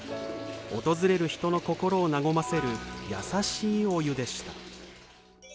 訪れる人の心を和ませる優しいお湯でした。